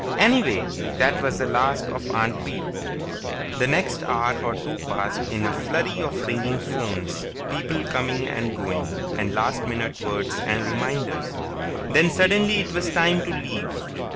Anyway, that was the last of Aunt Bee! The next hour or two passed in a flurry of ringing phones, people coming and going, and last minute words and reminders. Then suddenly it was time to leave.